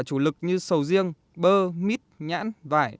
chủ lực như sầu riêng bơ mít nhãn vải